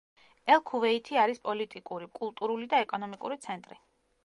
ელ-ქუვეითი არის პოლიტიკური, კულტურული და ეკონომიკური ცენტრი.